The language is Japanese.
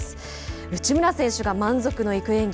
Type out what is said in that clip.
内村選手が満足の行く演技